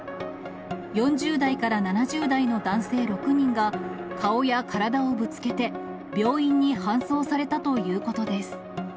４０代から７０代の男性６人が、顔や体をぶつけて、病院に搬送されたということです。